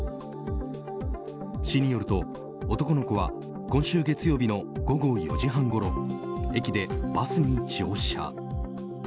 市によると、男の子は今週月曜日の午後４時半ごろ駅でバスに乗車。